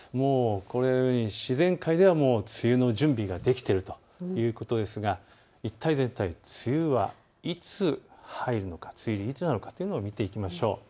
自然界ではもう梅雨の準備ができているということですが一体全体、梅雨はいつ入るのか梅雨入りはいつなのか見ていきましょう。